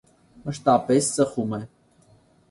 Մշտապես ծխում է։